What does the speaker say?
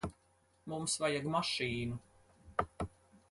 Mums vajag mašīnu.